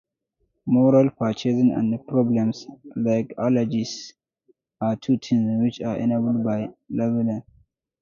Moral purchasing and problems like allergies are two things which are enabled by labelling.